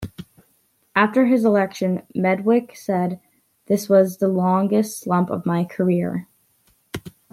After his election, Medwick said, This was the longest slump of my career.